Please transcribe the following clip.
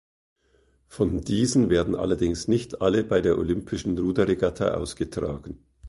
Von diesen werden allerdings nicht alle bei der olympischen Ruderregatta ausgetragen.